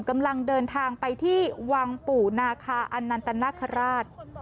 กำลังเดินทางไปที่วังปู่นาคาอันนันตนาคาราช